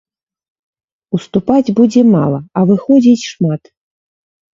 Уступаць будзе мала, а выходзіць шмат.